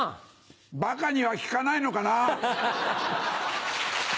バカには効かないのかな？